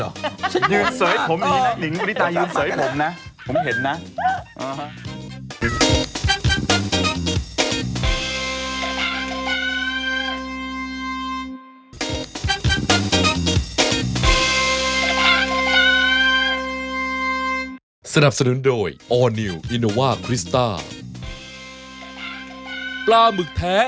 แล้วหลิงอ่ะหลิงบริตาหลิงไม่เลี้ยงรูปนี้หรือ